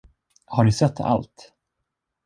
Har ni sett allt?